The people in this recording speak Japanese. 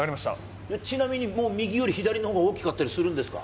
ちなみに、もう右より、左のほうが大きかったりするんですか？